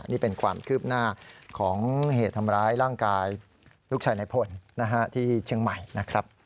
นี่เป็นความคืบหน้าของเหตุทำร้ายร่างกายลูกชายในพลที่เชียงใหม่นะครับ